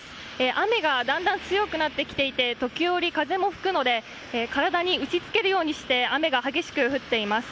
雨がだんだん強くなってきていて時折風も吹くので体に打ちつけるようにして雨が激しく降っています。